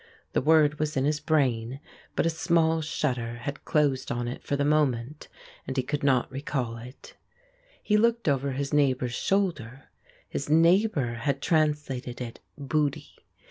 The word was in his brain, but a small shutter had closed on it for the moment and he could not recall it. He looked over his neighbour's shoulder. His neighbour had translated it "booty."